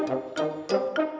pasti tanamannya ditanam disini